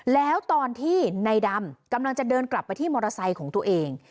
แล้วตอนที่ในดำกำลังจะเดินกลับไปที่มอเตอร์ไซค์ของตัวเอง